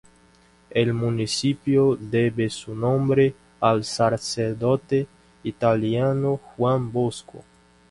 El municipio debe su nombre al sacerdote italiano Juan Bosco.